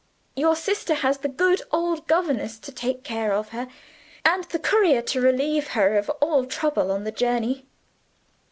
Your sister has the good old governess to take care of her, and the courier to relieve her of all trouble on the journey.